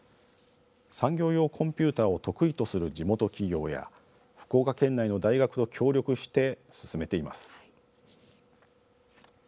産業用コンピューターを得意とする地元企業や福岡県内の大学と協力して進めています。